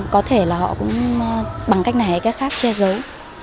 có thể là họ cũng bằng cách này cách khác che giấu